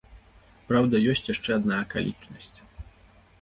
Праўда, ёсць яшчэ адна акалічнасць.